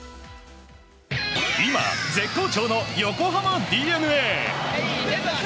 今、絶好調の横浜ＤｅＮＡ。